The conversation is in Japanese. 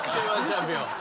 Ｋ−１チャンピオン。